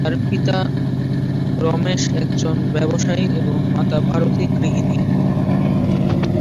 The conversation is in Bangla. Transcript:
তার পিতা রমেশ একজন ব্যবসায়ী এবং মাতা ভারতী গৃহিণী।